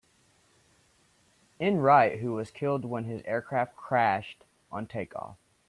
N Wright who was killed when his aircraft crashed on takeoff.